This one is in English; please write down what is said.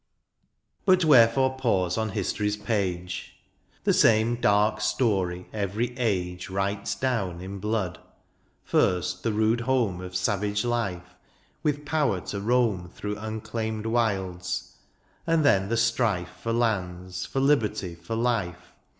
But wherefore pause on history's page ? The same dark story every age Writes down in blood : first the rude home Of savage life, with power to roam Through unclaimed wilds ; and then the strife For lands, for liberty, for life.